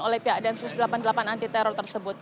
oleh pihak densus delapan puluh delapan anti teror tersebut